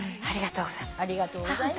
ありがとうございます。